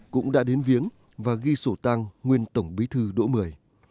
cũng đã đến viếng và ghi sổ tăng nguyên tổng bí thư độ một mươi